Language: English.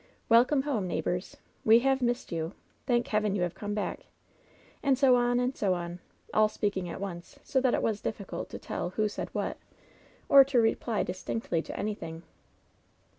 "Welcome home, neighbors!'* * We have missed you !" "Thank Heaven you have come back !'' And so on and so on ! All speaking at once, so that it was difficult to tell who said what, or to reply distinctly to anything.